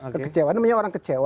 kekecewaan namanya orang kecewa